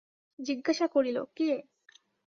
জিজ্ঞাসা করিল, কে?